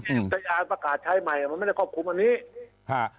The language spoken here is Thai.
อุตยานประกาศใช้ใหม่มันไม่ได้ความคุมอันนี้